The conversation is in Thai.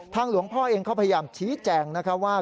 ทางหลวงพ่อเองเขาพยายามชี้แจ่งว่า